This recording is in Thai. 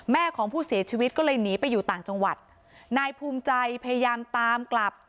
ของผู้เสียชีวิตก็เลยหนีไปอยู่ต่างจังหวัดนายภูมิใจพยายามตามกลับ